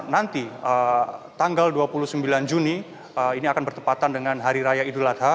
nanti tanggal dua puluh sembilan juni ini akan bertepatan dengan hari raya idul adha